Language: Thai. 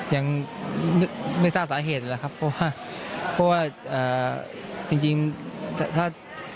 ยังไม่ทราบสาเหตุนะครับเพราะว่าเพราะว่าจริงถ้า